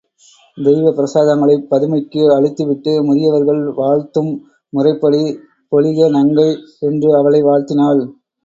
தெய்வப் பிரசாதங்களைப் பதுமைக்கு அளித்துவிட்டு முதியவர்கள் வாழ்த்தும் முறைப்படி, பொலிக நங்கை! என்று அவளை வாழ்த்தினாள்.